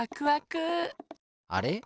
あれ？